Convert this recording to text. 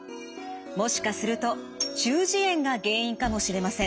もしかすると中耳炎が原因かもしれません。